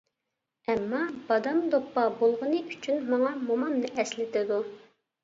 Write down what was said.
ئەمما، بادام دوپپا بولغىنى ئۈچۈن ماڭا مومامنى ئەسلىتىدۇ.